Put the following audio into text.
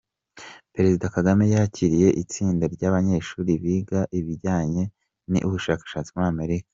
Perezida Kagame yakiriye itsinda ry’ abanyeshuri biga ibijyanye n’ ubushabitsi muri Amerika .